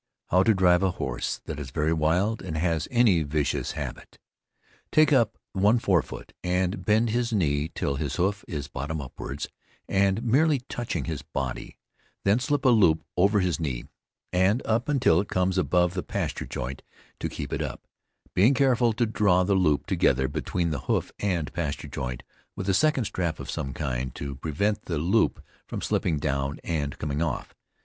HOW TO DRIVE A HORSE THAT IS VERY WILD, AND HAS ANY VICIOUS HABIT Take up one fore foot and bend his knee till his hoof is bottom upwards, and merely touching his body, then slip a loop over his knee, and up until it comes above the pasture joint to keep it up, being careful to draw the loop together between the hoof and pasture joint with a second strap of some kind, to prevent the loop from slipping down and coming off.